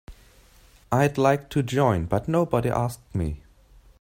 I'd like to join but nobody asked me.